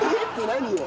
何よ？